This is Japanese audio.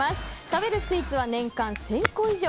食べるスイーツは年間１０００個以上。